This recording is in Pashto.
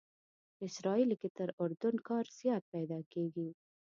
په اسرائیلو کې تر اردن کار زیات پیدا کېږي.